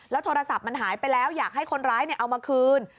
โทรศัพท์มันหายไปแล้วอยากให้คนร้ายเอามาคืน